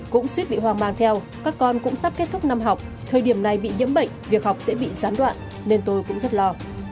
cũng suýt bị hoang mang theo các con cũng sắp kết thúc năm học thời điểm này bị nhiễm bệnh việc học sẽ bị gián đoạn nên tôi cũng rất lo